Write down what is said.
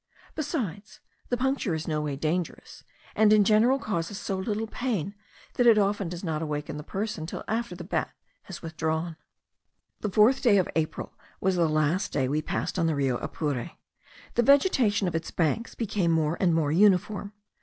Besides, the puncture is no way dangerous, and in general causes so little pain, that it often does not awaken the person till after the bat has withdrawn. The 4th of April was the last day we passed on the Rio Apure. The vegetation of its banks became more and more uniform.